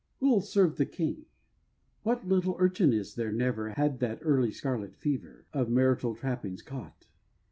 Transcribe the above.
"Who'll serve the King?" What little urchin is there never Hath had that early scarlet fever, Of martial trappings caught?